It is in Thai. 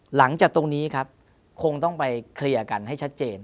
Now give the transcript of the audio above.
หลังจากตรงนี้ครับคงต้องไปเคลียร์กันให้ชัดเจน